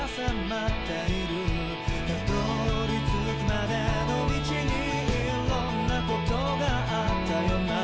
「辿り着くまでの道にいろんなことがあったよな」